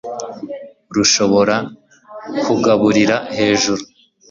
rushobora kugaburira hejuru